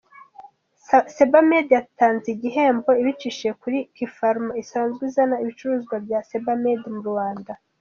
Sebamed yatanze iki gihembo ibicishije muri Kipharma isanzwe izana ibicuruzwa bya Sabamed mu Rwanda.